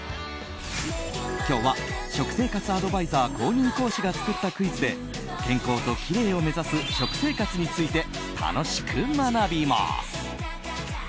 今日は食生活アドバイザー公認講師が作ったクイズで健康ときれいを目指す食生活について楽しく学びます。